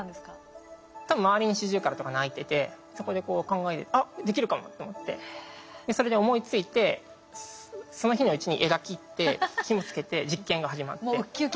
多分周りにシジュウカラとか鳴いててそこでこう考えてそれで思いついてその日のうちに枝切ってひもつけて実験が始まって。